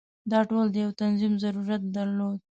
دا ټول د یو تنظیم ضرورت درلود.